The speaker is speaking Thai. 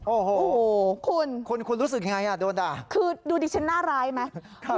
โอ้โหคุณคุณรู้สึกยังไงอ่ะโดนด่าคือดูดิฉันหน้าร้ายไหม